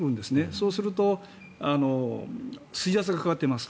そうすると水圧がかかってます。